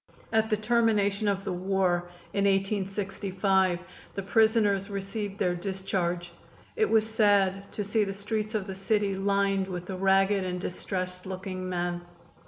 At the termination of the war, in 1865, the prisoners received their discharge. It was sad to see the streets of the city lined with the ragged and distressed looking men.